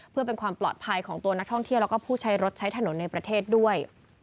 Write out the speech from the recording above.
เพื่อเป็นความปลอดภัยของตัวนักท่องเที่ยวแล้วก็ผู้ใช้รถใช้ถนนในประเทศด้วย